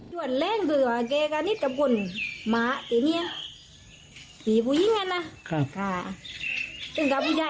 หนุ่ยไม่นิดหนุ่ยไม่โหลจังหนุ่ยไม่คอยเล่นกับคนผู้ชาย